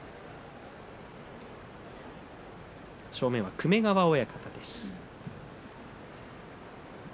正面は粂川親方です。